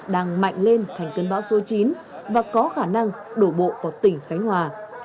đang mạnh lên thành cơn bão số chín và có khả năng đổ bộ vào tỉnh khánh hòa